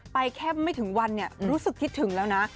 แค่ไม่ถึงวันเนี่ยรู้สึกคิดถึงแล้วนะ